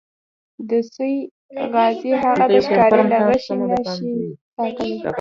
د سویې عاجزي هغه د ښکاري له غشي نه شي ساتلی.